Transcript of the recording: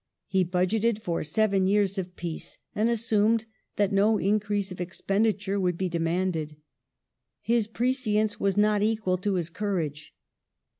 He budgeted for seven years of peace, and assumed that no increase of expenditure would be demanded. His pre science was not equal to his courage.